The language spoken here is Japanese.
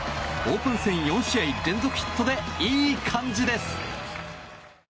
オープン戦４試合連続ヒットでいい感じです。